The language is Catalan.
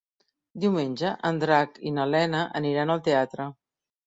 Diumenge en Drac i na Lena aniran al teatre.